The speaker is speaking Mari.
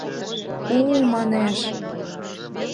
— У-у-у! — манеш.